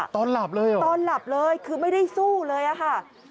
ตอนหลับเลยเหรอตอนหลับเลยคือไม่ได้สู้เลยอะค่ะ